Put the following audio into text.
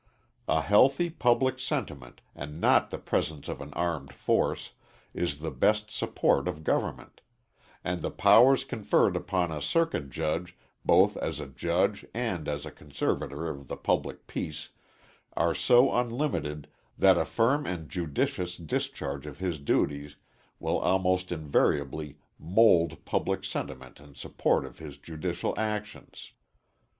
A healthy public sentiment, and not the presence of an armed force, is the best support of government; and the powers conferred upon a circuit judge, both as a judge, and as a conservator of the public peace, are so unlimited that a firm and judicious discharge of his duties will almost invariably mould public sentiment in support of his judicial actions.